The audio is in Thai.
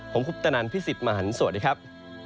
ผมคุปตนันพี่สิทธิ์มหันฯสวัสดีครับ